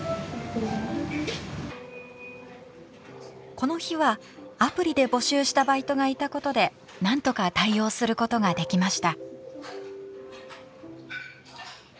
この日はアプリで募集したバイトがいたことでなんとか対応することができました。